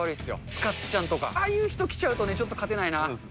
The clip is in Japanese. つかっちゃんとか、ああいう人来ちゃうとね、ちょっと勝てないな。